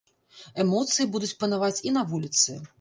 Эмоцыі будуць панаваць і на вуліцы.